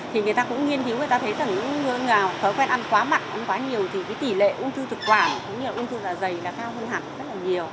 thì người ta cũng nghiên cứu người ta thấy rằng những người nào có khó khăn ăn quá mặn ăn quá nhiều thì cái tỉ lệ ung thư thực quản cũng như là ung thư là dày là cao hơn hẳn rất là nhiều